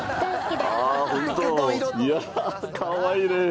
本当、かわいいね。